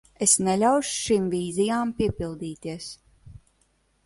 Es neļaušu šīm vīzijām piepildīties.